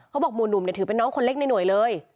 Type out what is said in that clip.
หมู่หนุ่มเนี่ยถือเป็นน้องคนเล็กในหน่วยเลย